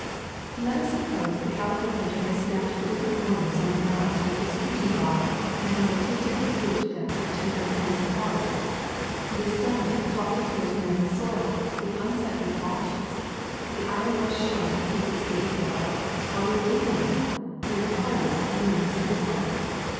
Let us suppose the calico printer has stamped the different mordants on the goods with his print ing block and has artistically grouped them to obtain bouquets of flowers. This done, the cloth appears merely soiled with unsightly blotches, the iron rust showing with its dirty yellow, while the alumina, being colorless, remains invisible.